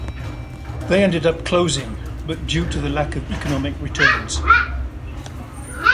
They ended up closing, but due to the lack of economic returns.